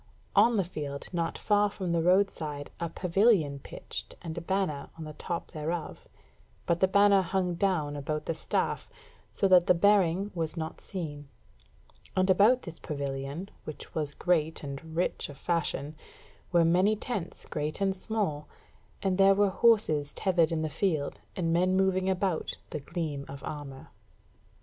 on the field not far from the roadside a pavilion pitched and a banner on the top thereof, but the banner hung down about the staff, so that the bearing was not seen: and about this pavilion, which was great and rich of fashion, were many tents great and small, and there were horses tethered in the field, and men moving about the gleam of armour.